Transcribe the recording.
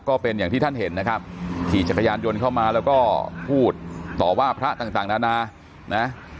ก็เป็นอย่างที่ท่านเห็นนะครับขี่จักรยานยนต์เข้ามาแล้วก็พูดต่อว่าพระต่างนานานะ